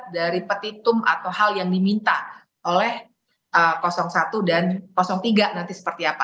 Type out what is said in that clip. dari petitum atau hal yang diminta oleh satu dan tiga nanti seperti apa